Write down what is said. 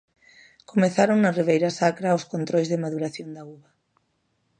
Comezaron na Ribeira Sacra os controis de maduración da uva.